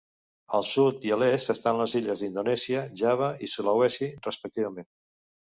Al sud i a l'est estan les illes d'Indonèsia, Java i Sulawesi, respectivament.